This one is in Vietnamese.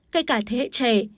kể cả thế hệ trẻ